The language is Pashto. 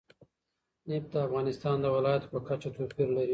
نفت د افغانستان د ولایاتو په کچه توپیر لري.